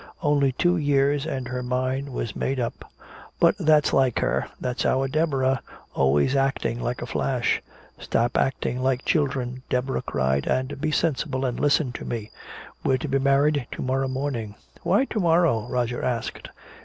Only two years and her mind was made up!" "But that's like her that's our Deborah always acting like a flash " "Stop acting like children!" Deborah cried. "And be sensible and listen to me! We're to be married to morrow morning " "Why to morrow?" Roger asked.